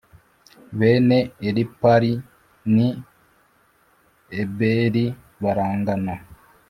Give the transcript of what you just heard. Bene Elipali ni Eberi barangana.